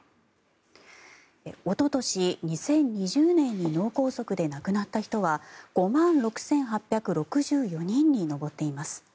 おととし、２０２０年に脳梗塞で亡くなった人は５万６８６４人に上っています。